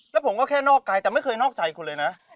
และผมก็แค่นอกไกล